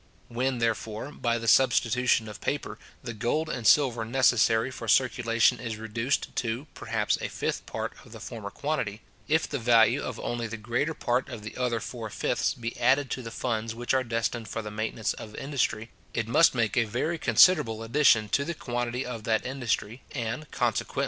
When, therefore, by the substitution of paper, the gold and silver necessary for circulation is reduced to, perhaps, a fifth part of the former quantity, if the value of only the greater part of the other four fifths be added to the funds which are destined for the maintenance of industry, it must make a very considerable addition to the quantity of that industry, and, consequently, to the value of the annual produce of land and labour.